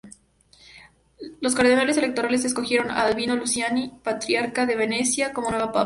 Los cardenales electores escogieron a Albino Luciani, patriarca de Venecia, como nuevo papa.